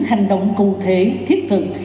hành động cụ thể thiết thực